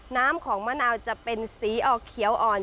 น้ำของมะนาวจะเป็นสีออกเขียวอ่อน